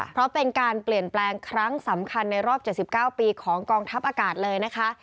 เพราะเป็นการเปลี่ยนแปลงครั้งสำคัญในรอบ๗๙ปีของกองทัพอากาศเลยนะคะ